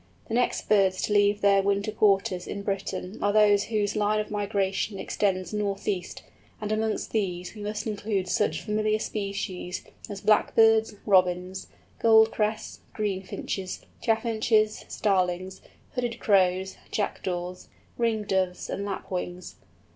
The next birds to leave their winter quarters in Britain are those whose line of migration extends north east, and amongst these we must include such familiar species as Blackbirds, Robins, Goldcrests, Greenfinches, Chaffinches, Starlings, Hooded Crows, Jackdaws, Ring Doves, and Lapwings.